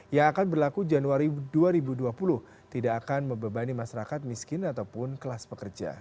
yang akan berlaku januari dua ribu dua puluh tidak akan membebani masyarakat miskin ataupun kelas pekerja